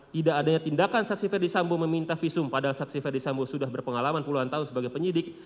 tidak adanya tindakan saksi ferdis sambo meminta visum padahal saksi ferdisambo sudah berpengalaman puluhan tahun sebagai penyidik